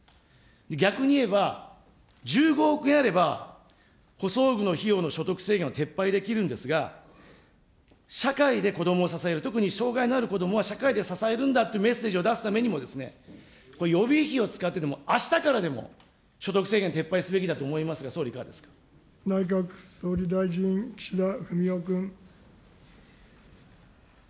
逆に言えば、１５億円あれば、補装具の費用の所得制限を撤廃できるんですが、社会で子どもを支える、特に障害のある子どもは社会で支えるんだっていうメッセージを出すためにも、予備費を使ってでも、あしたからでも、所得制限撤廃すべきだと思いますが、総理、内閣総理大臣、岸田文雄君。